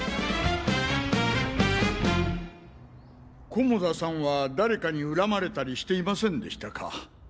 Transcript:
菰田さんは誰かに恨まれたりしていませんでしたか？